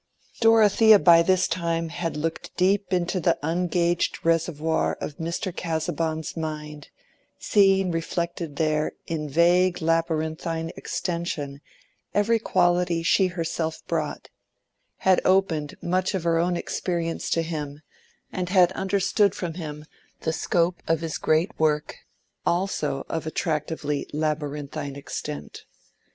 Dorothea by this time had looked deep into the ungauged reservoir of Mr. Casaubon's mind, seeing reflected there in vague labyrinthine extension every quality she herself brought; had opened much of her own experience to him, and had understood from him the scope of his great work, also of attractively labyrinthine extent.